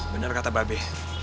benar kata babi